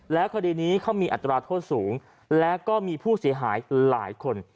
แล้วคดีนี้เขามีอัตราโทษสูงแล้วก็มีผู้เสียหายหลายคน